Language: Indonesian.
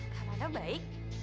kak mano baik